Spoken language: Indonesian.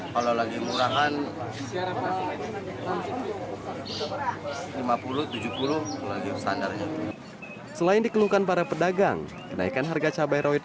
kalau lagi murahan lima puluh tujuh puluh lagi standarnya selain dikeluhkan para pedagang kenaikan harga cabai rawit